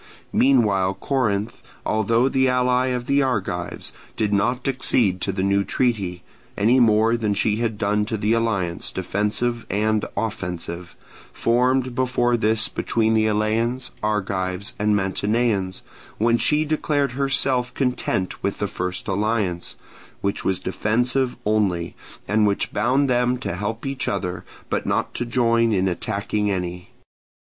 Meanwhile Corinth, although the ally of the Argives, did not accede to the new treaty, any more than she had done to the alliance, defensive and offensive, formed before this between the Eleans, Argives, and Mantineans, when she declared herself content with the first alliance, which was defensive only, and which bound them to help each other, but not to join in attacking any.